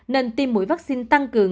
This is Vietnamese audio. nên tiêm mũi vaccine tăng cường